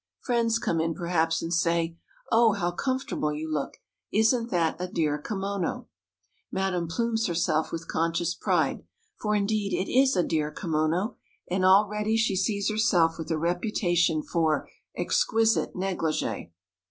Friends come in, perhaps, and say: "Oh, how comfortable you look! Isn't that a dear kimono?" Madame plumes herself with conscious pride, for indeed it is a dear kimono, and already she sees herself with a reputation for "exquisite négligée."